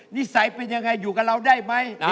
นิสัยเป็นยังไงอยู่กับเราได้ไหม